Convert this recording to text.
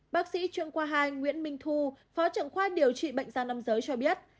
bác sĩ chuyên khoa hai nguyễn minh thu phó trưởng khoa điều trị bệnh da nam giới cho biết